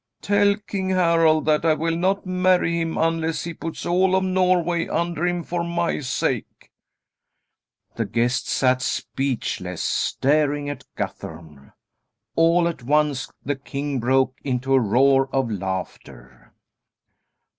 Tell King Harald that I will not marry him unless he puts all of Norway under him for my sake.'" The guests sat speechless, staring at Guthorm. All at once the king broke into a roar of laughter.